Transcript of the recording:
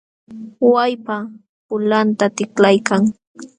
Wallpa pulanta tiklaykan.